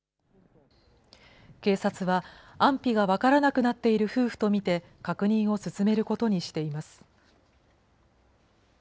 警察は、安否が分からなくなっている夫婦と見て、確認を進めることにしています。